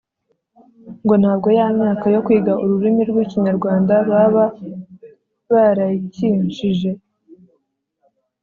ngo ntabwo ya myaka yo kwiga ururimi rw’Ikinyarwanda baba barayikinshije”